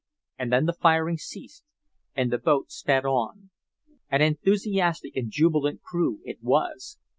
And then the firing ceased and the boat sped on. An enthusiastic and jubilant crew it was.